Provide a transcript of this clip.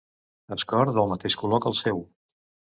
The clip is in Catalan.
Escort del mateix color que el seu.